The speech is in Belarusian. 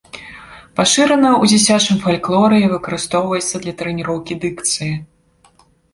Пашырана ў дзіцячым фальклоры і выкарыстоўваецца для трэніроўкі дыкцыі.